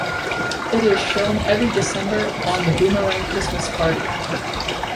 It is shown every December on the Boomerang Christmas Party.